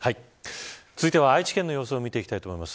続いては愛知県の様子を見ていきたいと思います。